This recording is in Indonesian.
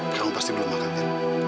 kamu pasti belum mengangkatnya